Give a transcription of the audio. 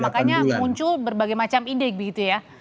makanya muncul berbagai macam ide gitu ya